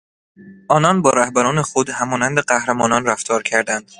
آنان با رهبران خود همانند قهرمانان رفتار کردند.